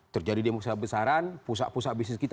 terjadi demokrasi kebesaran pusat pusat bisnis kita